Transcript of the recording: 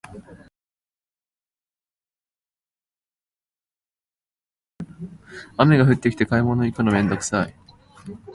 雨が降ってきて買い物行くのめんどくさい